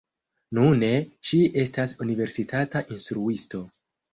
Nune ŝi estas universitata instruisto.